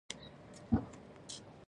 ویده بدن ساړه وي